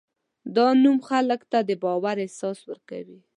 دا نوم خلکو ته د باور احساس ورکوي.